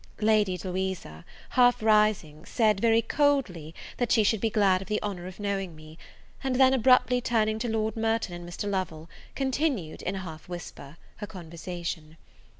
Lady Louisa, half rising, said, very coldly, that she should be glad of the honour of knowing me; and then, abruptly turning to Lord Merton and Mr. Lovel, continued, in a half whisper, her conversation.